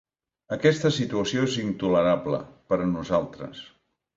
Aquesta situació és intolerable, per a nosaltres.